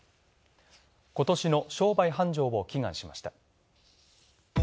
今年の商売繁盛を祈願しました。